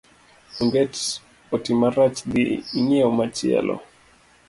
Onget oti marach dhi ing'iew machielo.